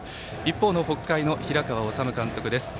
一方の北海の平川敦監督です。